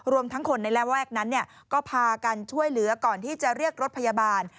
ทั้งคนในระแวกนั้นก็พากันช่วยเหลือก่อนที่จะเรียกรถพยาบาล